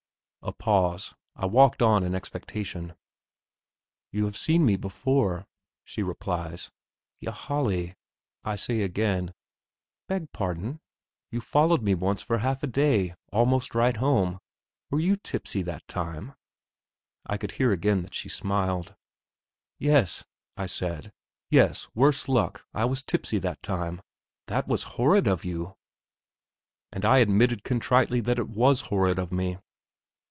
A pause. I walked on in expectation. "You have seen me before," she replies. "Ylajali," I say again. "Beg pardon. You followed me once for half a day, almost right home. Were you tipsy that time?" I could hear again that she smiled. "Yes," I said. "Yes, worse luck, I was tipsy that time." "That was horrid of you!" And I admitted contritely that it was horrid of me.